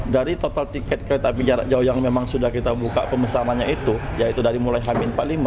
dari total tiket kereta api jarak jauh yang memang sudah kita buka pemesanannya itu yaitu dari mulai h empat puluh lima